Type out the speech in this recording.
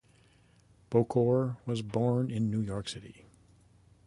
Bocour was born in New York City.